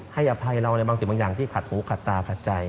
อภัยเราในบางสิ่งบางอย่างที่ขัดหูขัดตาขัดใจ